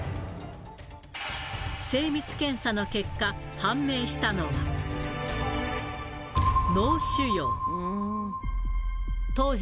精密検査の結果、判明したのは、脳腫瘍。